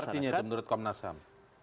apa artinya menurut komnas ham